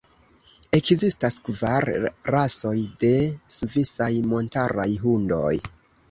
Ekzistas kvar rasoj de svisaj montaraj hundoj.